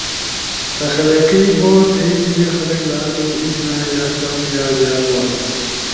تخلیقی بو۔ تھئی جیبے خلق لالو عیجنا یا کم یا زیاد بونو۔